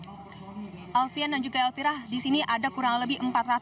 mungtazah apa yang akan dilakukan aparat keamanan di sana seandainya warga memang melakukan perlawanan